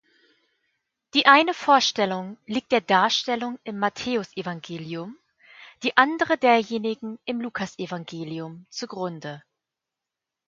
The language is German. Die eine Vorstellung liegt der Darstellung im Matthäusevangelium, die andere derjenigen im Lukasevangelium zugrunde.